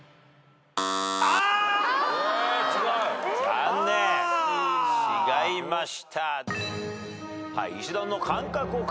残念違いました。